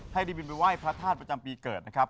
ให้ได้บินไปไหว้พระธาตุประจำปีเกิดนะครับ